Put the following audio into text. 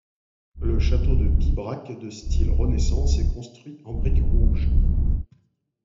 Le château de Pibrac, de style Renaissance est construit en brique rouge.